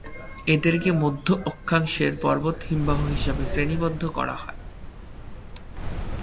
এদেরকে মধ্য-অক্ষাংশের পর্বত হিমবাহ হিসেবে শ্রেণীবদ্ধ করা হয়।